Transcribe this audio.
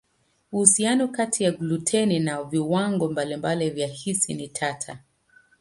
Uhusiano kati ya gluteni na viwango mbalimbali vya hisi ni tata.